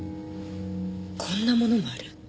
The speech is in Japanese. こんなものもある。